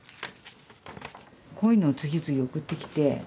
こういうのを次々送ってきて。